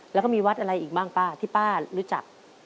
แล้วก็มีวัดอะไรอีกบ้างป้าที่ป้ารู้จัก